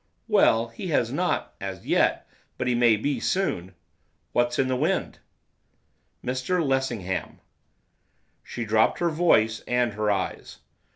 'Well, he has not, as yet; but he may be soon.' 'What's in the wind?' 'Mr Lessingham.' She dropped her voice, and her eyes.